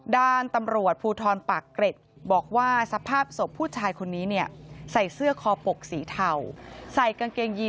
ด้านตำรวจภูทรปากเกร็ดบอกว่าสภาพศพผู้ชายคนนี้เนี้ย